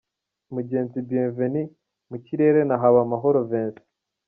Mugenzi Bienvenue mu kirere na Habamahoro Vincent.